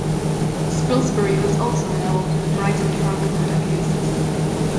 Spilsbury was also involved in the Brighton trunk murder cases.